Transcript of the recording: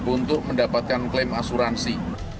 untuk mendapatkan klaim asuransi